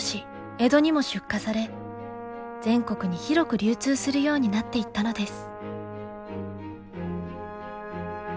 江戸にも出荷され全国に広く流通するようになっていったのです。